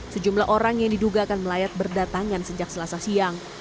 sejumlah orang yang diduga akan melayat berdatangan sejak selasa siang